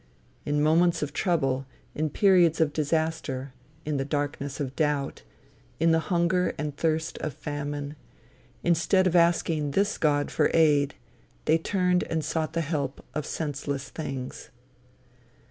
In moments of trouble, in periods of disaster, in the darkness of doubt, in the hunger and thirst of famine, instead of asking this God for aid, they turned and sought the help of senseless things.